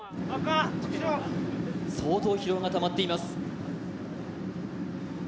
相当疲労がたまっています。